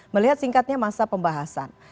melihat singkatnya masa pembahasan